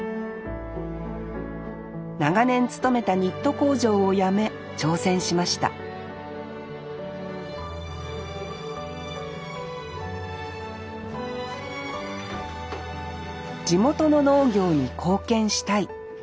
長年勤めたニット工場を辞め挑戦しました地元の農業に貢献したい。